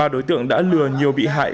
ba đối tượng đã lừa nhiều bị hại